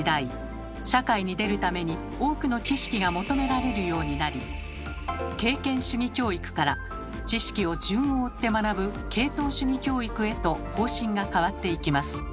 社会に出るために多くの知識が求められるようになり経験主義教育から知識を順を追って学ぶ「系統主義教育」へと方針が変わっていきます。